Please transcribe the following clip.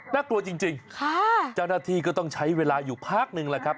น่ากลัวจริงค่ะจานที่ก็ต้องใช้เวลาอยู่ภาคหนึ่งละครับ